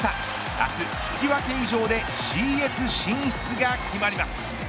あした引き分け以上でＣＳ進出が決まります。